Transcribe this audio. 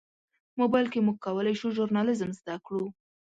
موبایل کې موږ کولی شو ژورنالیزم زده کړو.